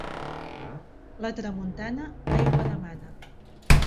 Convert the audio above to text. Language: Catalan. La tramuntana, aigua demana.